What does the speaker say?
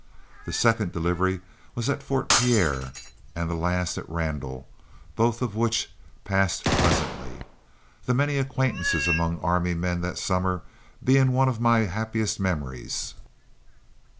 The second delivery was at Fort Pierre and the last at Randall, both of which passed pleasantly, the many acquaintances among army men that summer being one of my happiest memories.